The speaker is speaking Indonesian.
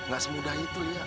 gak semudah itu liat